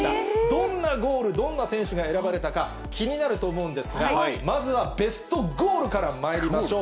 どんなゴール、どんな選手が選ばれたか、気になると思うんですが、まずはベストゴールからまいりましょう。